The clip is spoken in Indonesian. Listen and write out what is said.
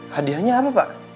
hadiahnya apa pak